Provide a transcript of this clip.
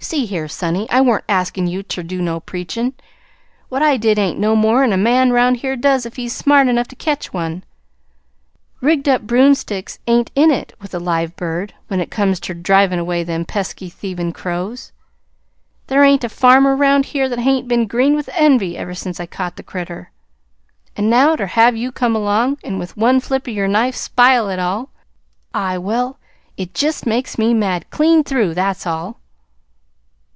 "See here, sonny, I wa'n't askin' you ter do no preachin'. What I did ain't no more'n any man 'round here does if he's smart enough ter catch one. Rigged up broomsticks ain't in it with a live bird when it comes ter drivin' away them pesky, thievin' crows. There ain't a farmer 'round here that hain't been green with envy, ever since I caught the critter. An' now ter have you come along an' with one flip o'yer knife spile it all, I Well, it jest makes me mad, clean through! That's all."